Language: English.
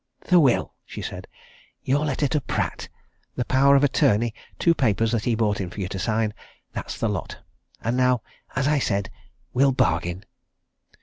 "The will!" she said. "Your letter to Pratt. The power of attorney. Two papers that he brought for you to sign. That's the lot! And now, as I said, we'll bargain."